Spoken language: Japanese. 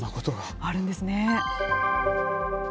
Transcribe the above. あるんですね。